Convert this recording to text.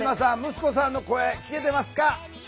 息子さんの声聴けてますか？